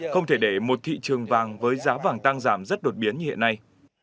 không thể để một thị trường vàng với giá vàng tăng giảm rất đột biến như hiện nay